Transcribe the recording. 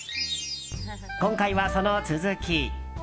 今回は、その続き。